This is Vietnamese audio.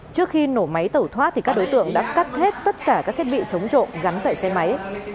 trước khi nổ máy tẩu thoát các đối tượng đã cắt hết tất cả các thiết bị chống trộm gắn tẩy xe máy